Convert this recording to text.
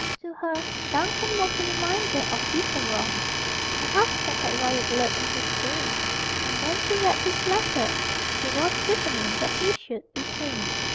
To her, Duncan was a reminder of bitter wrongs. Her husband had royal blood in his veins, and when she read his letter, she was determined that he should be King.